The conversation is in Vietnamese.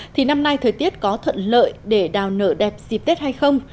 thì năm nay thời tiết có thuận lợi để đào nở đẹp dịp tết hay không